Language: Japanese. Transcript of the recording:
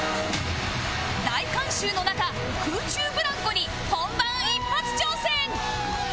大観衆の中空中ブランコに本番一発挑戦！